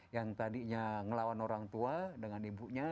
yang tadinya ngelawan orang tua dengan ibunya